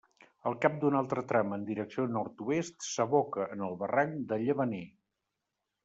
Al cap d'un altre tram en direcció nord-oest s'aboca en el barranc de Llavaner.